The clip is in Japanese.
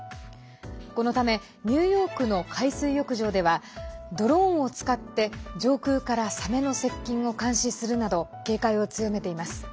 このためニューヨークの海水浴場では、ドローンを使って上空から、サメの接近を監視するなど警戒を強めています。